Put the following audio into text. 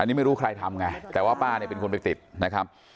อันนี้ไม่รู้ใครทำไงแต่ว่าป้าเนี่ยเป็นคนไปติดนะครับ